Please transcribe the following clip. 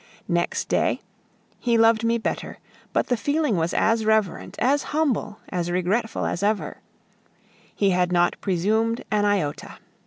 Next day he loved me better, but the feeling was as reverent, as humble, as regretful as ever; he had not presumed an iota.